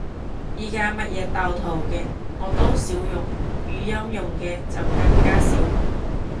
而家乜嘢鬥圖嘅，我都少用，語音用嘅就更加少